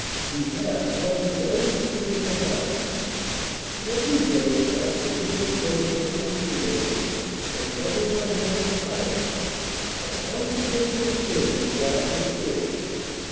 He had one very peculiar habit. Every day, after the dinner table had been cleared, and everyone had retired, a confidential servant brought in a dish.